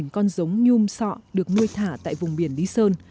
hai con giống nhum sọ được nuôi thả tại vùng biển lý sơn